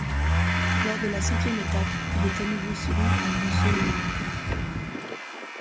Lors de la cinquième étape, il est à nouveau second à Montceau-les-Mines.